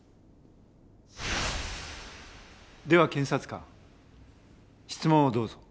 では検察官質問をどうぞ。